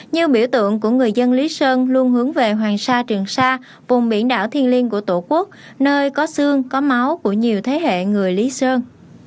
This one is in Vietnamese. nhiều biểu tượng của người dân lý sơn luôn hướng về hoàng sa trường sa vùng biển đảo thiên liên của tổ quốc nơi có xương có máu của nhiều thế hệ người lý sơn